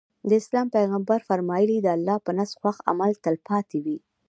د اسلام پيغمبر ص وفرمايل د الله په نزد خوښ عمل تلپاتې وي.